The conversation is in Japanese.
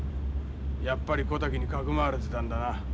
やっぱり小滝にかくまわれてたんだな。